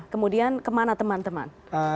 kemudian kemana teman teman